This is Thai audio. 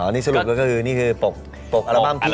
อ๋อนี่สรุปแล้วก็คือนี่คือปกอัลบั้มพิเศษ